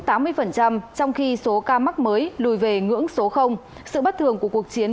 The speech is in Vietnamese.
trong khi số ca mắc mới lùi về ngưỡng số sự bất thường của cuộc chiến